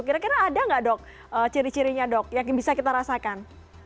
kira kira ada nggak dok ciri cirinya dok yang bisa kita rasakan